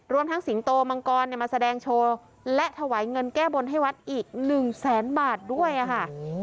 ทั้งสิงโตมังกรมาแสดงโชว์และถวายเงินแก้บนให้วัดอีกหนึ่งแสนบาทด้วยค่ะ